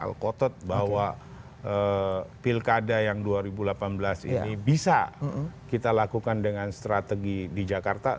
al kotot bahwa pilkada yang dua ribu delapan belas ini bisa kita lakukan dengan strategi di jakarta